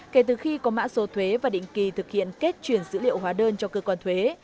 kể từ khi có mã số thuế và định kỳ thực hiện kết chuyển dữ liệu hóa đơn cho cơ quan thuế